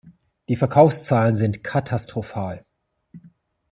Die Verkaufszahlen sind katastrophal.